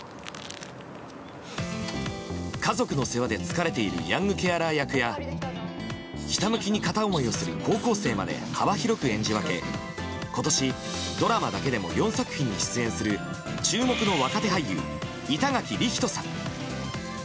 家族の世話で疲れているヤングケアラー役やひたむきに片思いをする高校生まで幅広く演じ分け今年、ドラマだけでも４作品に出演する注目の若手俳優、板垣李光人さん。